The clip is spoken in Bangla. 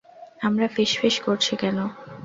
আমরা ফিসফিস করছি কেন?